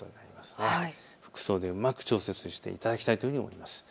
服装でうまく調節していただきたいと思います。